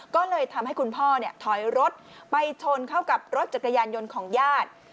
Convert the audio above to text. ก็เลยทำให้คุณพ่อถอยรถไปชนเข้ากับรถจักรยานยนต์ของญาติ